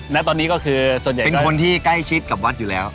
เป็นคนที่ใกล้ชิดกับวัดอยู่แล้ว